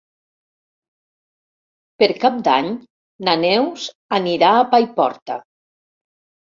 Per Cap d'Any na Neus anirà a Paiporta.